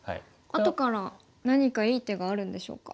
後から何かいい手があるんでしょうか。